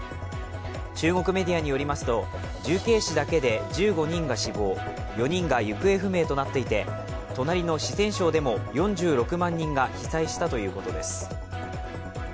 中国メディアによりますと重慶市だけで１５人が死亡、４人が行方不明となっていて、隣の四川省でも４６万人が被災したということです。